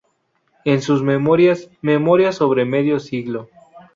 En sus memorias -"Memorias sobre medio siglo.